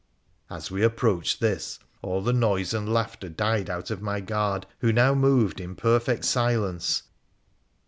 As we approached this, all the noise and laughter died out of my guard, who now moved in perfect silence.